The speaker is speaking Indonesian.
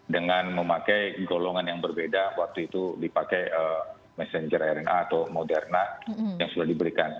dengan memakai golongan yang berbeda waktu itu dipakai messenger rna atau moderna yang sudah diberikan